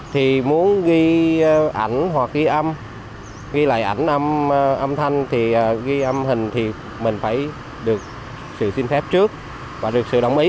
thì muốn ghi ảnh hoặc ghi âm ghi lại ảnh âm thanh thì ghi âm hình thì mình phải được sự xin phép trước và được sự đồng ý